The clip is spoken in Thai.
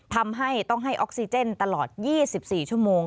ทำให้ต้องให้ออกซิเจนตลอด๒๔ชั่วโมง